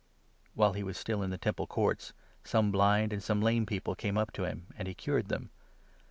'' While he was still in the Temple Courts, some blind and some 14 lame people came up to him, and he cured them.